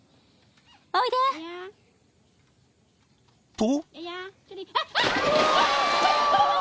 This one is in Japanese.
［と］